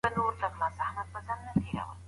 ایا مادي پرمختګ تر ټولنیز پرمختګ اړین دی؟